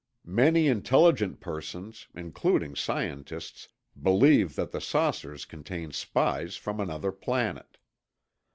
Many intelligent persons—including scientists—believe that the saucers contain spies from another planet.